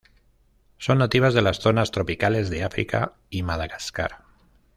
Son nativas de las zonas tropicales de África y Madagascar.